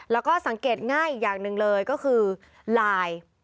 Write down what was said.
แล้วก็สังเกตง่ายอีกอย่างหนึ่งเลยก็คือลาย